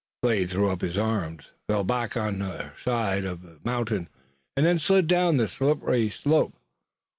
Slade threw up his arms, fell back on their side of the mountain and then slid down the slippery slope.